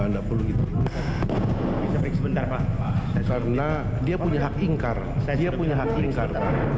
dia punya hak ingkar ingkar